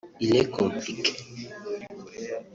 il est compliqué